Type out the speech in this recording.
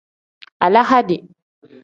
Alahadi.